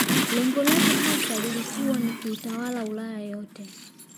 Lengo lake hasa ilikuwa ni kuitawala Ulaya yote